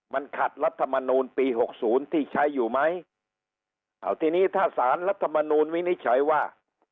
มันขัดรัฐมนูลปีหกศูนย์ที่ใช้อยู่ไหมเอาทีนี้ถ้าสารรัฐมนูลวินิจฉัยว่า